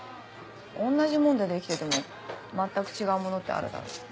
同じもので出来てても全く違うものってあるだろ。